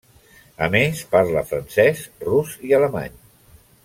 A més, parla francès, rus i alemany.